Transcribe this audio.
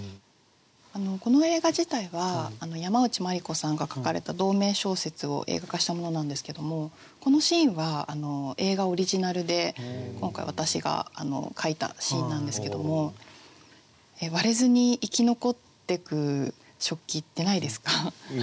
この映画自体は山内マリコさんが書かれた同名小説を映画化したものなんですけどもこのシーンは映画オリジナルで今回私が書いたシーンなんですけども割れずに生き残ってく食器ってないですか？